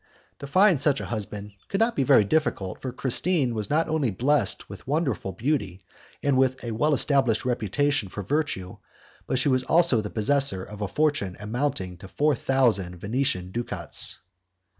To find such a husband could not be very difficult, for Christine was not only blessed with wonderful beauty, and with a well established reputation for virtue, but she was also the possessor of a fortune amounting to four thousand Venetian ducats.